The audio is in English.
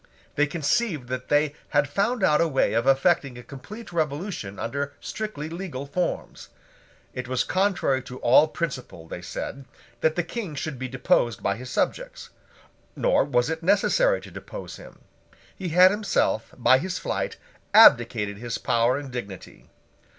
They conceived that they had found out a way of effecting a complete revolution under strictly legal forms. It was contrary to all principle, they said, that the King should be deposed by his subjects; nor was it necessary to depose him. He had himself, by his flight, abdicated his power and dignity.